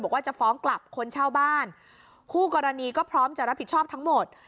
บอกว่าจะฟ้องกลับคนเช่าบ้านคู่กรณีก็พร้อมจะรับผิดชอบทั้งหมด